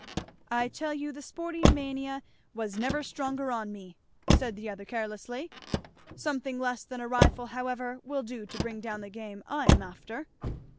"I tell you the sporting mania was never stronger on me," said the other carelessly. "Something less than a rifle however will do to bring down the game I am after.